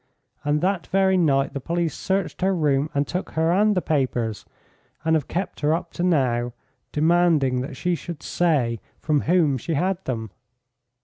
And that very night the police searched her room and took her and the papers, and have kept her up to now, demanding that she should say from whom she had them."